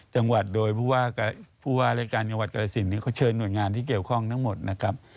จังหวัดโดยผู้ว่ารายการจังหวัดกรสินเขาเชิญหน่วยงานที่เกี่ยวข้องทั้งหมดนะครับ